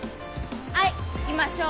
はいいきましょう。